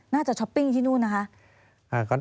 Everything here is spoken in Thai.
น่าจะช้อปปิ้งที่นู้นนะครับ